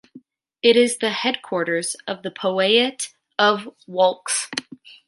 It is the headquarters of the powiat of Wałcz.